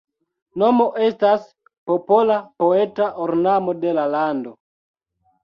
Nomo estas “popola poeta ornamo” de la lando.